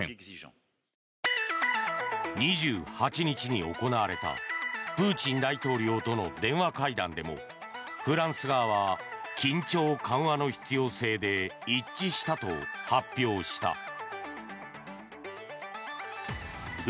２８日に行われたプーチン大統領との電話会談でもフランス側は緊張緩和の必要性で一致したと発表した。